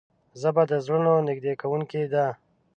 ژبه د زړونو نږدې کوونکې ده